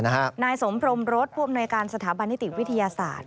หน้าสมพรมรสพวงต่อสถาบันริติวิทยาศาสตร์